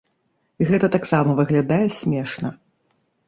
Гэта таксама выглядае смешна.